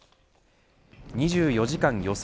２４時間予想